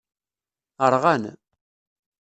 Rɣan.